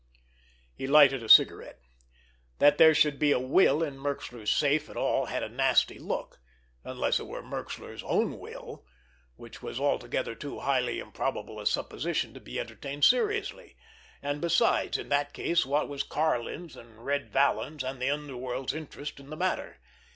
He lighted a cigarette. That there should be a will in Merxler's safe at all had a nasty look—unless it were Merxler's own will, which was altogether too highly improbable a supposition to be entertained seriously. And besides, in that case, what was Karlin's, and Red Vallon's, and the underworld's interest in the matter?